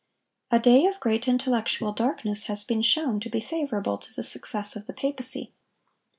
A day of great intellectual darkness has been shown to be favorable to the success of the papacy.